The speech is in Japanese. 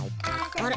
あれ？